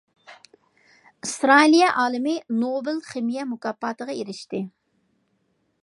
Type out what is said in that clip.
ئىسرائىلىيە ئالىمى نوبېل خىمىيە مۇكاپاتىغا ئېرىشتى.